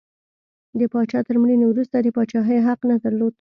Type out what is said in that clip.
د پاچا تر مړینې وروسته د پاچاهۍ حق نه درلود.